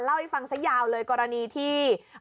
เล่าให้ฟังซะยาวเลยกรณีที่